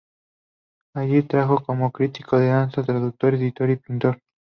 Allí trabajó como crítico de danza, traductor, editor y pintor.